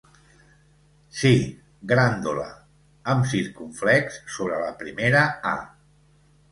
Sí, “Grândola”, amb circumflex sobre la primera a.